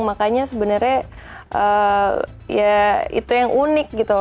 makanya sebenarnya ya itu yang unik gitu